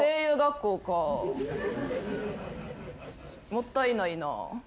もったいないな。